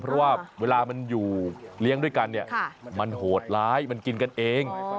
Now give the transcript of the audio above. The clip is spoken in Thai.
เพราะว่าเวลามันอยู่เลี้ยงด้วยกันเนี่ยมันโหดร้ายมันกินกันเอง